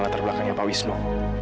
latar belakangnya pak wisnu